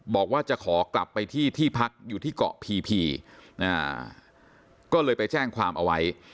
บอกว่าจะขอกลับไปที่ที่พักอยู่ที่เกาะพีพีก็เลยไปแจ้งความเอาไว้